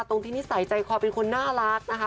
ตรงที่นิสัยใจคอเป็นคนน่ารักนะคะ